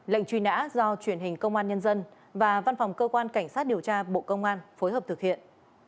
lệnh truy nã do truyền hình công an nhân dân và văn phòng cơ quan cảnh sát điều tra bộ công an phối hợp thực hiện